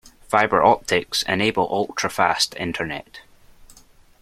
Fibre optics enable ultra-fast internet.